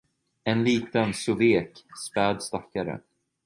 En liten så vek, späd stackare.